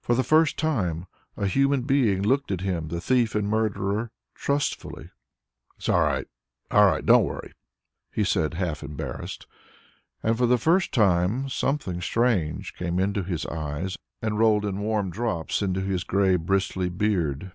For the first time a human being looked at him, the thief and murderer, trustfully. "It is all right, all right; don't worry!" he said half embarrassed. And for the first time something strange came into his eyes and rolled in warm drops into his grey bristly beard.